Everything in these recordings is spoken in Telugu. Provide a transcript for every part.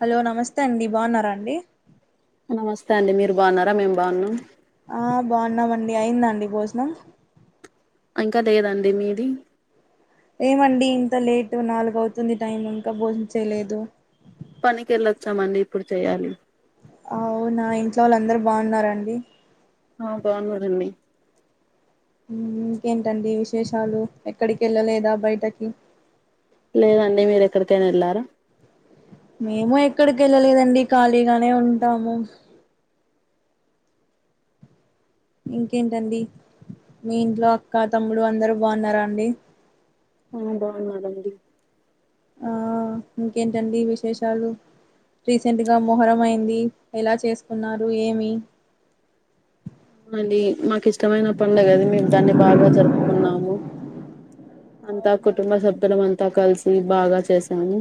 హలో నమస్తే అండి బాగున్నారా అండి నమస్తే అండి మీరు బాగున్నారా మేం బాగున్నాం ఆ బాగున్నామండి అయింద అండి భోజనం ఇంకా లేదండి మీది ఏమండి ఇంత లేటు నాలుగు అవుతుంది టైం ఇంకా భోజనం చేయలేదు పనికెళ్ళొచ్చమండి ఇప్పుడు చెయ్యాలి అవునా ఇంట్లో వాళ్ళు అందరూ బాగున్నార అండి ఆ బాగున్నారండి మ్మ్ ఇంకేంటండి విశేషాలు ఎక్కడికి వెళ్ళలేదా బయటకి లేదండి మీరు ఎక్కడికైనా వెళ్ళారా మేము ఎక్కడికి వెళ్ళలేదండి ఖాళీగానే ఉంటాము ఇంకేంటండి మీ ఇంట్లో అక్క తమ్ముడు అందరుూ బాగున్నారా అండి ఆ బాగున్నారండి ఆ ఇంకేంటండి విశేషాలు రీసెంట్ గా మొహరం అయింది ఎలా చేసుకున్నారు ఏమి మండి మాకు ఇష్టమైన పండుగది మేము దాన్ని బాగా జరుపుకున్నాము అంతా కుటుంబ అవునా సభ్యులం అంతా కలిసి బాగా చేశాము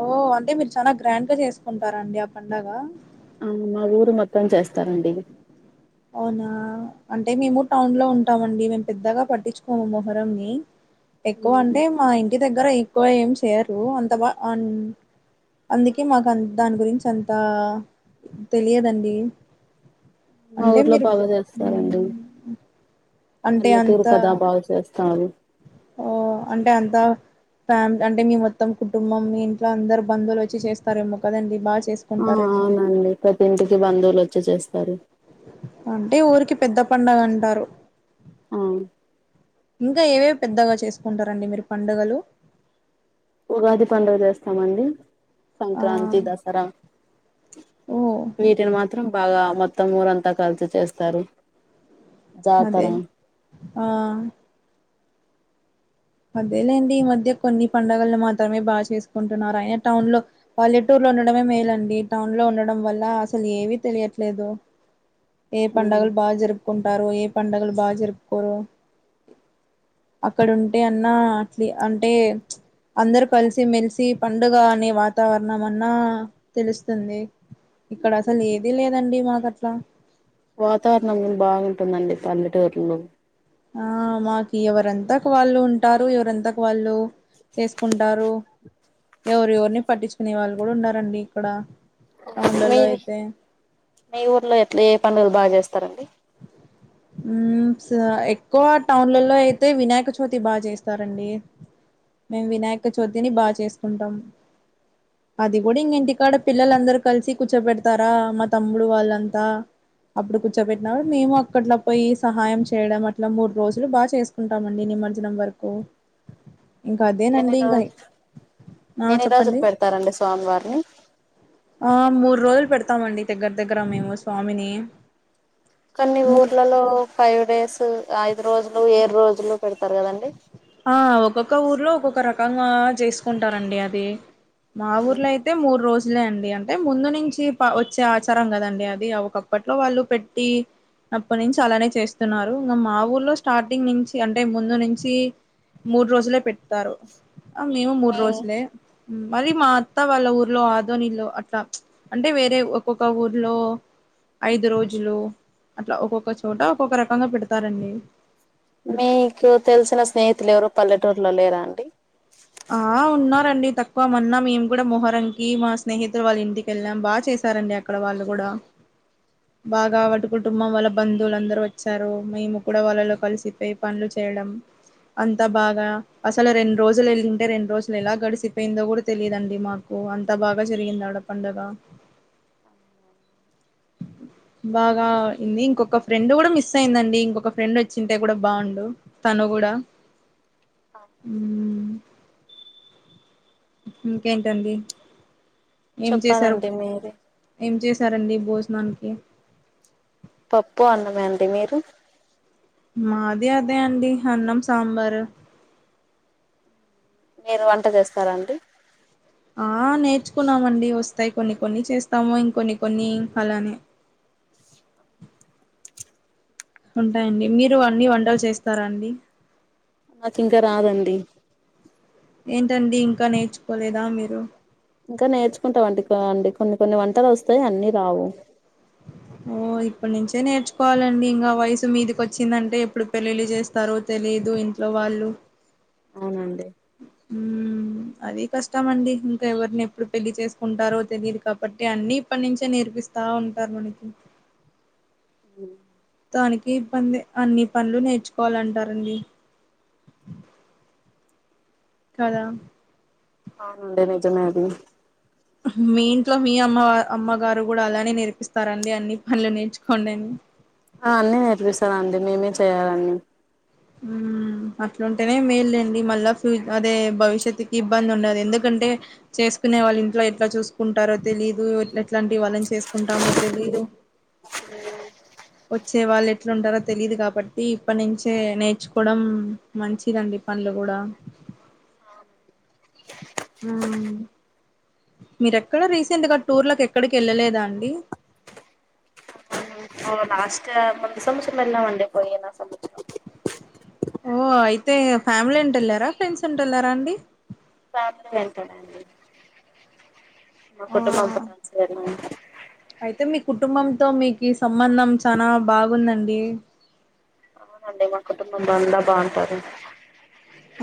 ఓ అంటే మీరు చానా గ్రాండ్ గా చేసుకుంటారండి ఆ పండగ ఆ మా ఊరు మొత్తం చేస్తారండి అవునా అంటే మేము టౌన్ లో ఉంటాం అండి మేము పెద్దగా పట్టించుకోము మొహరం ని ఎక్కువ ఉమ్, అంటే మా ఇంటి దగ్గర ఎక్కువ ఏం చేయరు అంత బా అన్ అందికే మాకు అన్ దాని గురించి అంతా తెలియదన్ మా అంటే ఊర్లో మీరు. బాగా అంటే పల్లెతూరు కదా బాగు చేస్తారు. ఓ అంటే అంతా. ఫ్యామి అంటే మీ మొత్తం కుటుంబం మీ ఇంట్లో అందరు బంధువులు వచ్చి చేస్తారేమో కదండి బా చేస్. ఆ అవునండి ప్రతి ఇంటికి బంధువులు వచ్చి చేస్తారు. అంటే ఊరికి పెద్ద పడుగ అంటారు. ఆ. ఇంకా ఏవేవి పెద్దగా చేసుకుంటారండి మీరు పండుగలు. ఉగాది పండుగ చేస్తామండి. ఆ సంక్రాంతి దసరా ఓ వీటిని మాత్రం. బాగా మొత్తం ఊరంతా కలిసి చేస్తారు. అదే జాతర ఆ. అదేలేండి ఈ మధ్య కొన్ని పండుగలు మాత్రమే బాగా చేసుకుంటున్నారు ఆయన టౌన్ లో. పల్లెటూర్లో ఉండడమే మేలండి టౌన్ లో ఉండడం వల్ల అసలు ఏవీ తెలియట్లేదు. ఏ పండగల్ బగా జరప్. అంటారు ఏ పండుగలు బాగా జరుపుకోరు అక్కడ వున్. అంటే అన్నా అట్ అంటే. అందరు కలిసి మెలిసి పండుగ అనే వాతావరణం అన్నా తెలుస్తుంది. ఇక్కడ అసలు ఏది లేదండి మాకట్లా. వాతావరణం బాగుంటుందండి పల్లెటూర్లో. ఆ మాకి ఎవరంతకు వాళ్ళు ఉంటారు ఎవరంతకు వాళ్ళు. చేసుకుంటారు ఎవరు ఎవరిని పట్టించుకునే వాళ్ళు కూడా ఉన్నారండి ఇక్కడ. మీ టౌన్లలో అయితే. మీ ఊర్లో ఎట్లా ఏ పనులు బాగా చేస్తారండి. ఎక్కువ టౌన్లలో అయితే వినాయక చవితి బాగా చేస్తారండి. మేం వినాయక చవితిని బాగా చేసుకుంటాం. అది కూడా ఇంగ ఇంటికాడ పిల్లలందరుూ కలిసి కూర్చోబెడతారా మా తమ్ముడు వాళ్ళంతా. అప్పుడు కూచ పెట్. మేము అక్కట్లో పోయి సహాయం చేయడం అట్లా మూడు రోజులు బాగా చేసుకుంటామండి నిమజ్జనం వరకు. ఇంకా ఎన్ని అదేనండి ఇంకా రోజు ఆ ఎన్ని రోజులు చెప్పండి పెడతారండి స్వామివారిని. ఆ మూడు రోజులు పెడతామండి దగ్గర దగ్గర మేము స్వామిని. కాన్ని మూడు ఊర్లలో ఫైవ్ డేస్ ఐదు రోజులు ఏడు రోజులు పెడతారు కదండి. ఆ ఒక్కొక్క ఊర్లో ఒక్కొక్క రకంగా చేసుకుంటారండి అది మా ఊర్లో అయితే. అయితే మూడు రోజులే అండి అంటే ముందు నుంచి వచ్చే ఆచారం కదండి అది ఒకప్పట్లో వాళ్ళు పెట్టి. అప్పటి నుంచి అలానే చేస్తున్నారు ఇంకా మా ఊర్లో స్టార్టింగ్ నుంచి అంటే ముందు నుంచి. కి మూడు రోజులే పెడతారు ఆ మేము మూడు మీ రోజులే. మరి మా అత్తా వాళ్ళ ఊర్లో ఆదోనిలో అట్లా. అంటే వేరే ఒక్కొక్క ఊర్లో. ఐదు రోజులు అట్లా ఒక్కొక్క చోట ఒక్కొక్క రకంగా పెడతారండి. మీకు తెలిసిన స్నేహితులు ఎవరు పల్లెటూరులో లేరా అండి. ఆ ఉన్నారండి తక్కువ మన్న మేము కూడా మొహరంకి మా స్నేహితులు వాళ్ళ ఇంటికెళ్ళాం బాగా చేశారండి అ. అక్కడ వాళ్ళు కూడా. బాగా వాటి కుటుంబం వాళ్ళ బంధువులమ్దరూ వచ్చారు మేము కూడా వాళ్ళలో కలిసిపోయి పనులు చేయడం. అంతా బాగా అసలె రెండు రోజులు వెళ్ళ రెండు రోజులు ఎలా గడిసిపోయిందో కూడా తెలియదండి మాకు అంత బాగా జరిగింది ఆడ పండగ బాగా అయ్యింది ఇంకొక ఫ్రెండ్ కూడా మిస్ అయిందండి ఇంకొక ఫ్రెండ్ ఓచ్చింటే కూడా బాగుండు తను కూడా అవున అండి మ్మ్ ఇంక ఏంటిఅండి ఏం చేసారు చెప్పాలండి మీరే ఏం చేసారు అండి భోజనానికి పప్పు అన్నమే అండి మీరు మాది అదే అండి అన్నం సాంబారు మీరు వంట చేస్తారాండి ఆ నేర్చుకున్నామండి వస్తాయి కొన్ని కొన్ని చేస్తాము ఇంకొన్ని కొన్ని అలానే ఉంటాయండి మీరు అన్ని వంటలు చేస్తారా అండి నక్ ఇంకా రాదండి ఏంటండి ఇంకా నేర్చుకోలేదా మీరు ఇంకా నేర్చుకుంటాం అండి కొన్ని కొన్ని వంటలు వస్తాయి అన్ని రావు ఓ ఇప్పటి నుంచే నేర్చుకోవాలండి ఇంకా వయసు మీదిక వచ్చిందంటే ఎప్పుడు పెళ్లిలు చేస్తారో తెలిదు ఇంట్లో వాళ్ళు అవునండి హ్మ అది కష్టం అండి ఇంకా ఎవరిని ఎప్పుడు పెళ్లి చేసుకుంటారో తెలియదు కాబట్టి అన్ని ఇప్పటి నుంచే నేర్పిస్త తా ఉంటారు మనకి ఉ దానికి ఇబ్బందే అన్ని పనులు నేర్చుకోవాలి అంటారు అండి కదా అవును అండి నిజమే అండి మీ ఇంట్లో మీ అమ్మ అమ్మగారు కూడా అలానే నేర్పిస్తారండి అన్ని పనులు నేర్చుకోండి అని ఆ అన్నీ నేర్పిస్తది అండి మేమే చేయ్యాలన్నీ హ్మ అట్లుంటేనే మేలు లెండి మళ్ళా ఫ్య అదే భవిష్యత్తుకి ఇబ్బంది ఉండదు ఎందుకంటే చేసుకునే వాళ్ళు ఇంట్లో ఎట్లా చూసుకుంటారో తెలీదు ఎట్లాంటివి వాళ్ళని చేసుకుంటామో తెలీదు [inaudible] ఒచే వాళ్ళు ఎట్లుంటారో తెలిదు కాబట్టి ఇప్పటి నుంచే నేర్చుకోడం మంచిదండి పనులు కూడా హ్మ మీరెక్కడ రీసెంట్గా టూర్లకి ఎక్కడికి ఎల్లాలేదా అండి లాస్ట్ ము పోయిన సమాచారం వెళ్ళాం అండి పోయిన సమాచారం ఓ అయితే ఫ్యామిలీ వెంట వెళ్ళారా ఫ్రెండ్స్ వెంట వెళ్ళారా అండి సాపు వెంటాడాండి [inaudible] మా కుటుంబంప్పు ఆ స [inaudible] అయితే మీ కుటుంబంతో మీకి సంబంధం చాల బాగుంది అండి అవునండి మా కుటుంబం అందా బాగుంటారు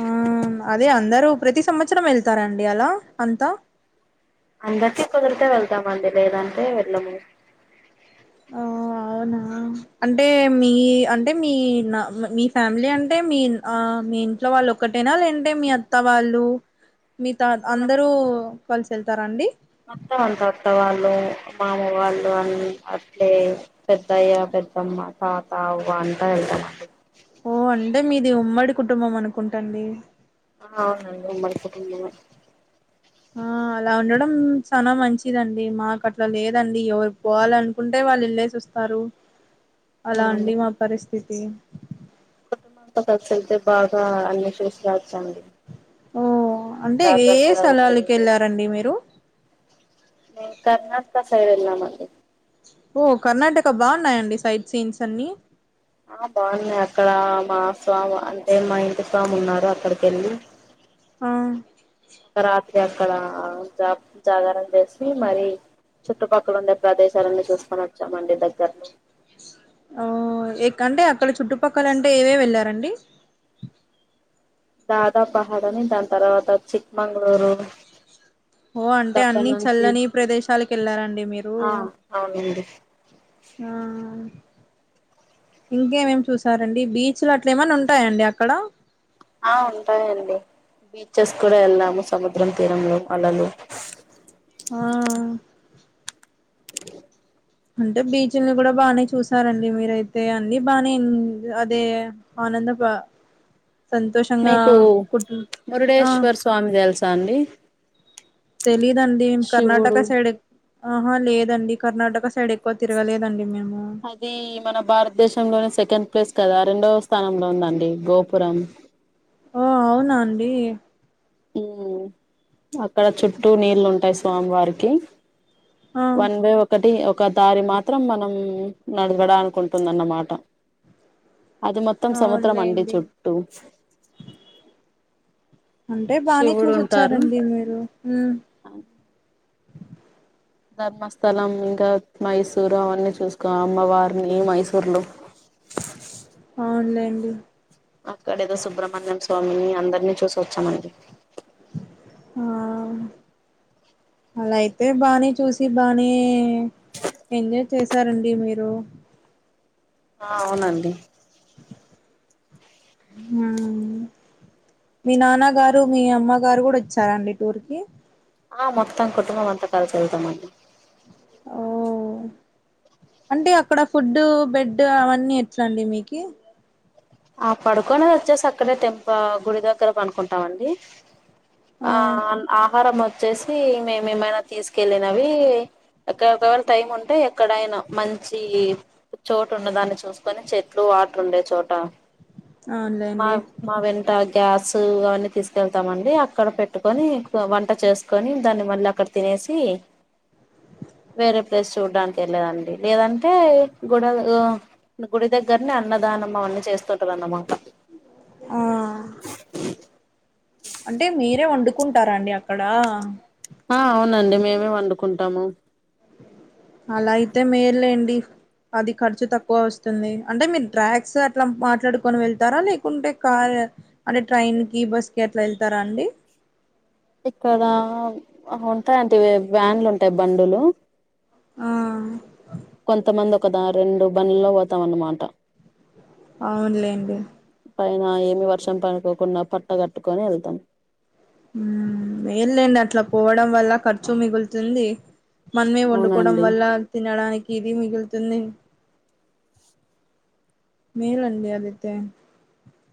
ఆ అదే అందరూ ప్రతి సంవత్సరం వెళ్తారండి అలా అంతా అందరికి కుదిరితే వెళ్తామండి లేదంటే వెళ్ళము ఇగ ఆ అవునా అంటే మీ అంటే మీ నా మీ ఫ్యామిలీ అంటే మీ ఆ మీన్ ఇంట్లో వాళ్ళు ఒక్కటేనా లే ఏంటే మీ అత్త వాళ్ళు మీగతా మొత్తం అందరూ అంతా కలిసి వెళ్తారాండి [unintelligible] మొత్తం అంట అత్త వాళ్ళు మామ వాళ్ళు అని అట్లే పెద్దయ్య పెద్దమ్మ తాత అవ్వ అంతా వెళ్తా మండి ఓ అంటే మీది ఉమ్మడి కుటుంబం అనుకుంటండి ఆ అవునండి మంచిగా [unintelligible] ఆ అలా ఉండడం చాలా మంచిదండి మాకు అట్లా లేదండి ఎవరు పోవాల అనుకుంటే వాళ్ళు ఇళ్ళలేసి వస్తు తరు అలా అండి మా పరిస్థితి కుటుంబంతో సస్యళ్తే బాగా అన్నిషసి రాచ్చ అండి [unintelligible] ఉం అంటే ఏ స్థలాలకు వెళ్ళొచ్చు వెళ్ళారండి మీరు మేం కర్ణటక సైడ్ వెళ్ల మండి ఓ కర్ణాటక బాగున్నాయండి సైడ్ సీన్స్ అన్ని ఆ బాగున్నాయి అక్కడ మా స్వామి అంటే మా ఇంటి స్వామి ఉన్నారు అక్కడికి వెళ్ళి ఆ ఒక రాత్రి అక్కడ జ జాగరం చేసి మరి చుట్టుపక్కల ఉండే ప్రదేశాలన్నీ చూస్తాం వచ్చామండి దగ్గర్లో ఓ ఏక్ అంటే అక్కడ చుట్టుపక్కలంటే ఏవేవి వెళ్లారండి దాదా పహాడని దాని తర్వాత చిక్మంగళూరు ఓ అంటే అన్ని దక్కన్ నుంచి చల్లని ప్రదేశాలకు వెళ్లారండి మీరు ఆ అవునండి ఆ ఇంకేమేమి చూసారండి బీచ్లు అట్ల ఏమన్నా ఉంటాయండి అక్కడ ఆ ఉంటాయండి బీచెస్ కూడా వెళ్ళాము సముద్రం తీరంలో అలలు ఆ అంటే బీచ్ల్ని కూడా బాగానే చూసారండి మీరయితే అన్ని బాగానే అదే ఆనందప మీకు కుటు ఆ మురుడేశ్వర స్వామి తెలుసా అండి తెలీయదండి కర్ణాటక శివుడు సైడ్ ఆహా లేదండి కర్ణాటక సైడ్ ఎక్కువ తిరగలేదండి మేము ఇది మన భారతదేసం లోనే సెకండ్ ప్లేస్ కదా రెండవ స్థానంలో ఉందండి గోపురం ఓ అవునా అండి ఉం అక్కడ చుట్టూ నీళ్లు ఉంటాయి స్వామి వారికి ఆ వన్ వే ఒకటి ఒక దారి మాత్రం మనం నడవడానికి ఉంటుంద అన్నమాట అది మొత్తం సముద్రం అండి అవునులేండి చుట్టూ అంటే బానే చూసోచ్చారండి మీరు ఆ ధర్మస్థలం ఇంకా మైసూరు అవన్నీ చూసుకో అమ్మవారిని మైసూర్లు అవును లేండి అక్కడ ఏదో సుబ్రహ్మణ్యం స్వామిని అందరినీ చూసి వచ్చామండి ఆ అలా అయితే బానే చూసి బానే ఎంజాయ్ చేసారండి మీరు ఆ అవునండి మీ నాన్న గారు మీ అమ్మ గారు గూడా వచ్చారా అండి టూర్ కి ఆ మొత్తం కుటుంబం అంత కలిసెల్తామండి ఓ అంటే అక్కడ ఫుడు బెడు అవన్నీ ఎట్లాండి మీకి ఆ పడుకొనేద్ వచ్చేసి అక్కడే టెంపుల్ గుడి దగ్గర పనుకుంటామండి ఆ ఆహారం వచ్చేసి మేమేమైనా తీసుకెళ్ళినవి అక్కఒకవేళ టైం ఉంటే ఎక్కడైనా మంచి చోటు ఉన్న దాన్ని చూసుకొని చెట్లు వాటర్ ఉండే చోట మా అవున్లేండి మా వెంట గ్యాసు అవన్నీ తీసుకెళ్తామండి అక్కడ పెట్టుకొని వంట చేస్ కొని దాన్ని మళ్ళీ అక్కడ తినేసి వేరే ప్లేస్ చూడ్డానికి వెళ్ళేదండి లేదంటే గుడల్ గూ గుడి దగ్గరనే అన్నదానం అవన్నీ చేస్తుంటారు అన్నమాట ఆ అంటే మీరే వండుకుంటారా అండి అక్కడ ఆ అవునండి మేమే వండుకుంటాము అలా అయితే మేల్లేండి అది ఖర్చు తక్కువ వస్తుంది అంటే మీరు ట్రాక్స్ అట్లా మాట్లాడుకొని వెళ్తారా లేకుంటే కార్ అంటే ట్రైన్ కి బస్ కి అట్లా ఎళ్తారా అండి ఇక్కడ ఉంటాయండి వ్యాన్లు ఉంటాయి బండులు ఆ కొంతమంది ఒకాదారెండు బండ్లులో పోతాం అనమాట అవునులేండి పైన ఏమి వర్షం పడుకోకుండా పట్ట కట్టుకొని ఎళ్తాం ఊమ్ మేల్లేండి అట్లా పోవడం వల్ల ఖర్చు మిగులుతుంది మన్మే వండుకోవడం అవునండి వల్ల తినడానికి ఇది మిగులుతుంది మేలండి అదతే